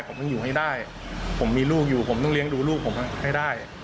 ผมต้องอยู่ให้ได้ผมมีลูกอยู่ผมต้องเลี้ยงดูลูกผมให้ได้